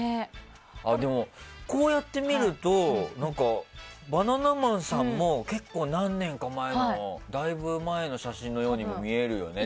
こうやって見るとバナナマンさんも結構、何年か前のだいぶ前の写真のように見えるよね。